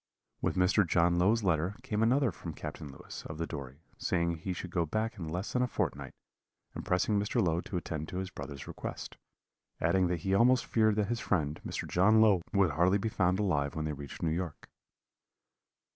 "With Mr. John Low's letter came another from Captain Lewis, of the Dory, saying he should go back in less than a fortnight, and pressing Mr. Low to attend to his brother's request; adding that he almost feared that his friend, Mr. John Low, would hardly be found alive when they reached New York.